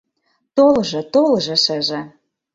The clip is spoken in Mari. Толжо, толжо шыже